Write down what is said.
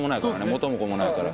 元も子もないから。